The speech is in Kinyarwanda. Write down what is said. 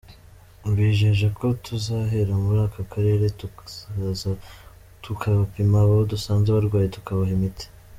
Mbijeje ko tuzahera muri aka karere, tukaza tukabapima, abo dusanze barwaye tukabaha imiti.